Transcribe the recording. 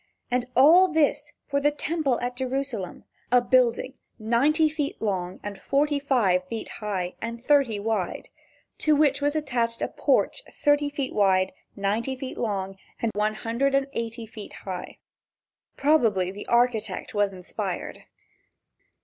And all this for the temple at Jerusalem, a building ninety feet long and forty five feet high and thirty wide, to which was attached a porch thirty feet wide, ninety feet long and one hundred and eighty feet high. Probably the architect was inspired.